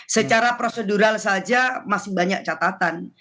secara prosedural saja masih banyak catatan